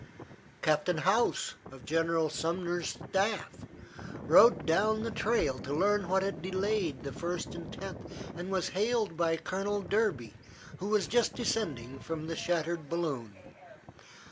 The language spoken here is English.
Captain Howse, of General Sumner's staff, rode down the trail to learn what had delayed the First and Tenth, and was hailed by Colonel Derby, who was just descending from the shattered balloon.